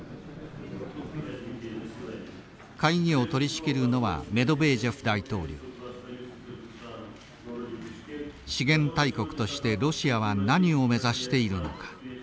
会議を取りしきるのは資源大国としてロシアは何を目指しているのか。